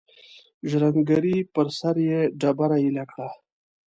ژرندګړی پر سر یې ډبره ایله کړه.